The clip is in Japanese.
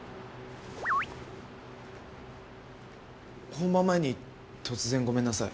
本番前に突然ごめんなさい。